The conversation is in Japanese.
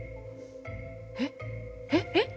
えっえっえっ？